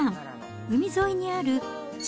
海沿いにある築